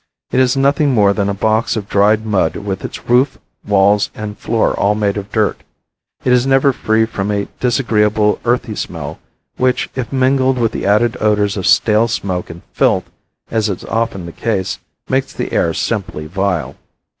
It is nothing more than a box of dried mud with its roof, walls and floor all made of dirt. It is never free from a disagreeable earthy smell which, if mingled with the added odors of stale smoke and filth, as is often the case, makes the air simply vile.